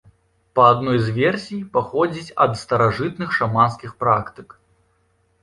Па адной з версій, паходзіць ад старажытных шаманскіх практык.